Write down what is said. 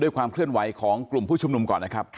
ความเคลื่อนไหวของกลุ่มผู้ชุมนุมก่อนนะครับ